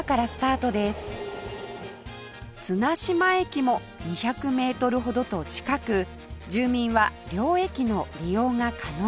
綱島駅も２００メートルほどと近く住民は両駅の利用が可能